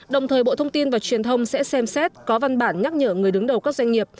đồng thời bộ thông tin và truyền thông sẽ xem xét có văn bản nhắc nhở người đứng đầu các doanh nghiệp